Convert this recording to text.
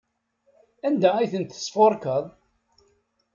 Anda ay ten-tesfurkeḍ?